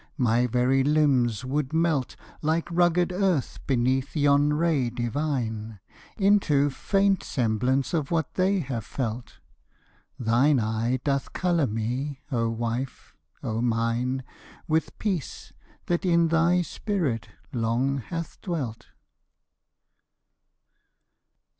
My very limbs would melt, Like rugged earth beneath yon ray divine, Into faint semblance of what they have felt: Thine eye doth color me, O wife, O mine, With peace that in thy spirit long hath dwelt!